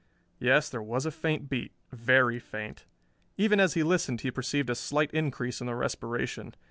Yes, there as a faint beat very faint. Even as he listened he perceived a slight increase in the respiration.